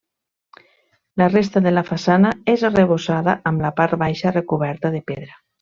La resta de la façana és arrebossada, amb la part baixa recoberta de pedra.